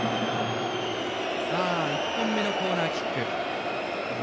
１本目のコーナーキック。